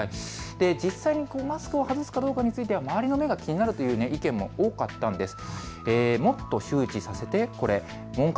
実際にマスクを外すかどうかについては周りの目が気になるという意見も多かったんです。